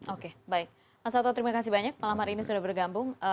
oke baik mas sato terima kasih banyak malam hari ini sudah bergabung